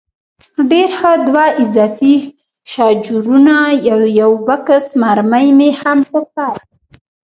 ډېر ښه، دوه اضافي شاجورونه او یو بکس مرمۍ مې هم په کار دي.